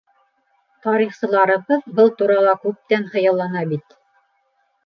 Тарихсыларыбыҙ был турала күптән хыяллана бит.